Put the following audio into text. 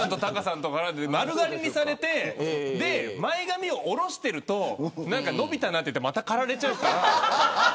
丸刈りにされて前髪を下ろしていると伸びたなといってまた、刈られちゃうから。